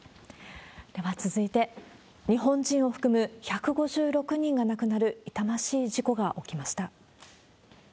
では続いて、日本人を含む１５６人が亡くなる痛ましい事故が起きました。